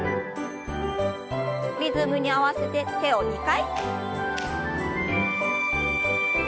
リズムに合わせて手を２回。